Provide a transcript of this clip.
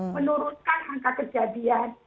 menurunkan angka kejadian